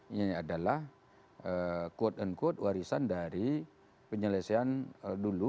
ini adalah quote unquote warisan dari penyelesaian dulu